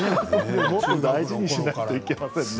もっと大事にしないといけませんね。